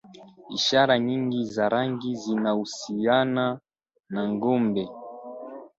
Ishara nyingi za rangi zinahusiana na Ngombe